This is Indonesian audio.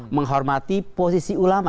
menghormati posisi ulama